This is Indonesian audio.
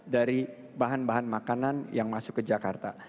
dari bahan bahan makanan yang masuk ke jakarta